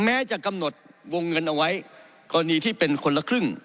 แม้จะกำหนดวงเงินเอาไว้กรณีที่เป็นคนละครึ่ง